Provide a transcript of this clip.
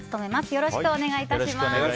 よろしくお願いします。